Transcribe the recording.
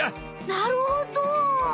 なるほど。